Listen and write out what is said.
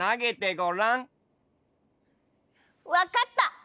わかった！